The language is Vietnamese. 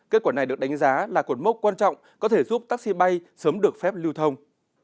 kết quả này được đánh giá là cột mốc quan trọng có thể giúp taxi bay sớm được phép lưu thông